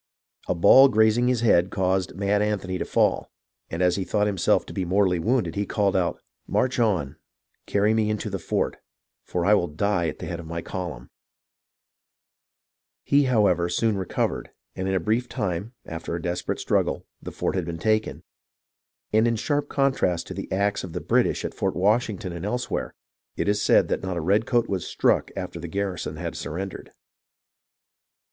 A ball grazing his head caused Mad Anthony to fall, and as he thought himself to be mortally wounded, he called out :" March on ! Carry me into the fort, for I will die at the head of my column !" He, however, soon recovered, and in a brief time, after a desperate struggle, the fort had been taken ; and in sharp contrast to the acts of the Brit ish at Fort Washington and elsewhere, it is said that not a redcoat was struck after the garrison had surrendered.